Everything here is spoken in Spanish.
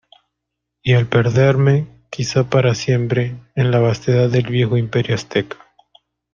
y al perderme, quizá para siempre , en la vastedad del viejo Imperio Azteca